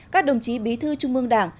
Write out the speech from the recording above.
các đồng chí bí thư trung ương đảng